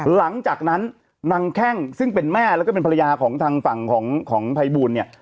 หลังจากนั้นนางแข้งซึ่งเป็นแม่แล้วก็เป็นภรรยาของทางฝั่งของภัยบูลเนี่ย